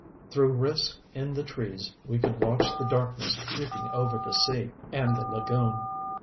Through rifts in the trees we could watch the darkness creeping over the sea and the lagoon.